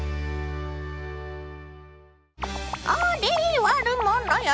あれ悪者よ。